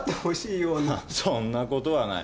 そんなことはない。